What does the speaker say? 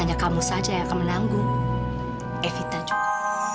hanya kamu saja yang akan menanggung evita juga